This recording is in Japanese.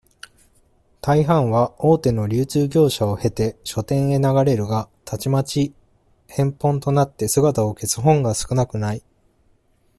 大半は、大手の流通業者をへて、書店へ流れるが、たちまち、返本となって姿を消す本が少なくない。